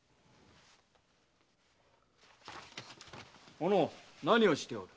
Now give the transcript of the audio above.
小野何をしておる？